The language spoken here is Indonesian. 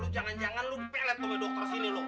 jangan jangan lum pelet sama dokter sini loh